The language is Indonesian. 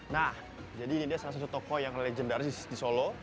nah jadi ini dia salah satu tokoh yang legendaris di solo